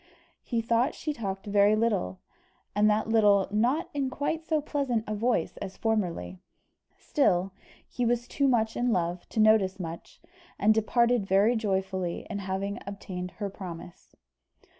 He thought she talked very little, and that little not in quite so pleasant a voice as formerly; still, he was too much in love to notice much, and departed very joyful in having obtained her promise.